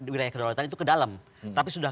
wilayah kedua luar tanah itu ke dalam tapi sudah